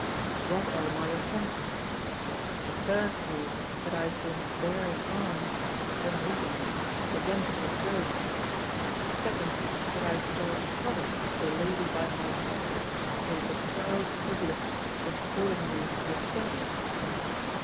"What are my offences? The first is that I have been bearing arms (unwittingly) against the Throne; the second, that I have brought trouble to the lady by my side, who has the proud privilege of calling you her friend.